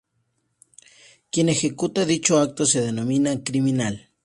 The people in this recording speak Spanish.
Quien ejecuta dicho acto se denomina criminal.